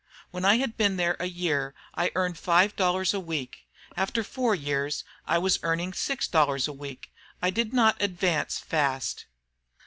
When I had been there a year I earned five dollars a week. After four years I was earning six dollars. I did not advance fast."